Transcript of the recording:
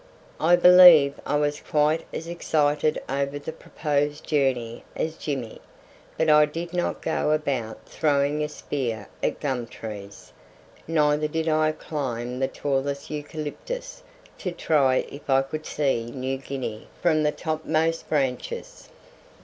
I believe I was quite as excited over the proposed journey as Jimmy, but I did not go about throwing a spear at gum trees, neither did I climb the tallest eucalyptus to try if I could see New Guinea from the topmost branches.